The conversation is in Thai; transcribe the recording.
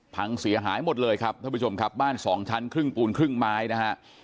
พังเสียหายหมดเลยครับท่านผู้ชมครับบ้านสองชั้นครึ่งปูนครึ่งไม้นะฮะ